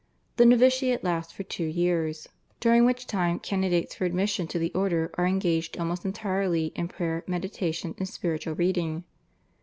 The novitiate lasts for two years during which time candidates for admission to the order are engaged almost entirely in prayer, meditation, and spiritual reading.